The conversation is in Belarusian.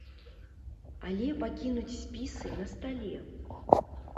Але пакінуць спісы на стале!